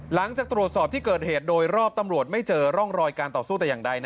หลังจากตรวจสอบที่เกิดเหตุโดยรอบตำรวจไม่เจอร่องรอยการต่อสู้แต่อย่างใด